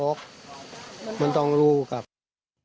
มันต้องลูกครับ